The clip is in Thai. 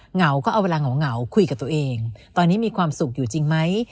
เหงาก็เอาเวลาเหงาคุยกับตัวเองตอนนี้มีความสุขอยู่จริงไหม